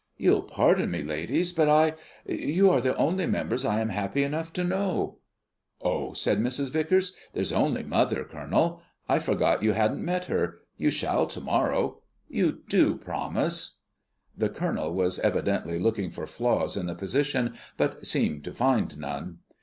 You'll pardon me, ladies, but I you are the only members I am happy enough to know." "Oh," said Mrs. Vicars, "there's only mother, Colonel. I forgot you hadn't met her. You shall to morrow. You do promise?" The Colonel was evidently looking for flaws in the position, but seemed to find none.